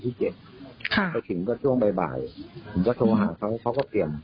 สนใจแต่ว่าจะทำสัญญาดีการภายกันเยี่ยว